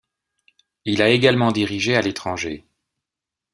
Il a également dirigé à l'étranger.